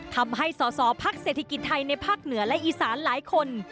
ทำให้สอสอพักเศรษฐกิจไทยในภาคเหนือและอีสานหลายคน